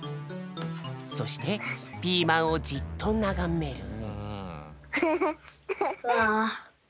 そしてピーマンをじっとながめる。